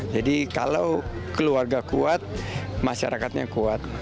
jadi kalau keluarga kuat masyarakatnya kuat